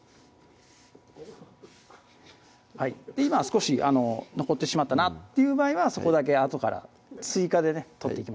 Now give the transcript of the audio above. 今少しあの残ってしまったなっていう場合はそこだけあとから追加でね取っていきましょう